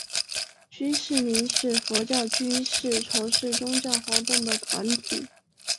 居士林是佛教居士从事宗教活动的团体。